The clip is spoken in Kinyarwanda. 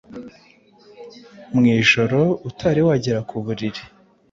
mu ijoro utari wagera ku buriri.